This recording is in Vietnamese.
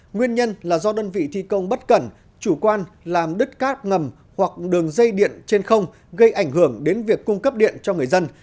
nguyên nhân là do đơn vị thi công bất cẩn chủ quan làm đứt cát ngầm hoặc đường dây điện trên không gây ảnh hưởng đến việc cung cấp điện cho người dân